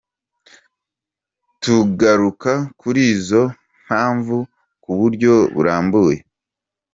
Tugaruke kuri izo mpamvu ku buryo burambuye:.